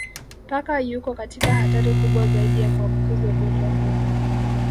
Paka yuko katika hatari kubwa zaidi ya kuambukizwa ugonjwa huu